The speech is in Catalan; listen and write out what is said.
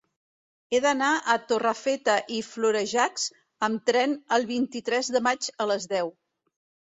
He d'anar a Torrefeta i Florejacs amb tren el vint-i-tres de maig a les deu.